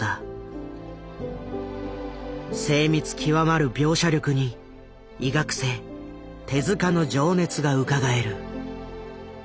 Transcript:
精密極まる描写力に医学生手の情熱がうかがえる。